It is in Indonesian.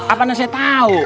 apaan harusnya tahu